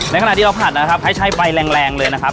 ขณะที่เราผัดนะครับให้ใช้ไฟแรงเลยนะครับ